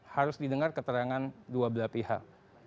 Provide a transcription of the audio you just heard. harus didengar keterangan dua belah pihak